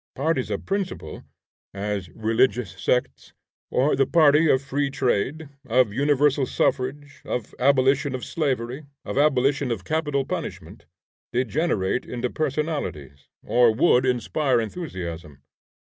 Parties of principle, as, religious sects, or the party of free trade, of universal suffrage, of abolition of slavery, of abolition of capital punishment, degenerate into personalities, or would inspire enthusiasm.